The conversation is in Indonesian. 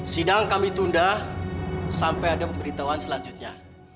sidang kami tunda sampai ada pemberitahuan selanjutnya